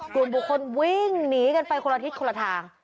กลุ่มบุคคลวิ่งหนีกันไปคนละทิศคนละทาง